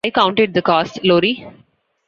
I counted the cost, Lori.